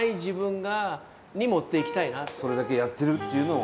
それだけやってるっていうのを。